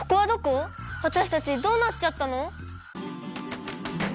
わたしたちどうなっちゃったの！？